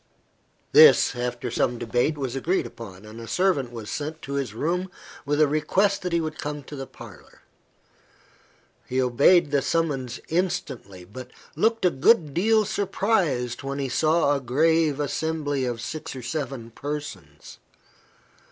This, after some debate, was agreed upon, and a servant was sent to his room with a request that he would come to the parlour. He obeyed the summons instantly, but looked a good deal surprised when he saw a grave assembly of six or seven persons.